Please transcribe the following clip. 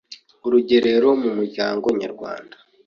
Urugerero mu muryango nyarwanda,